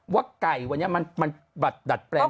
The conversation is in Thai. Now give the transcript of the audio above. ว่าไก่วันนี้มันดัดแปลง